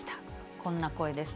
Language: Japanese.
こんな声です。